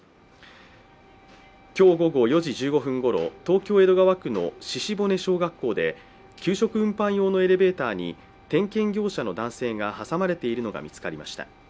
今日午後４時１５分頃東京・江戸川区の鹿骨小学校で給食運搬用のエレベーターに点検業者の男性が挟まれているのが見つかりました。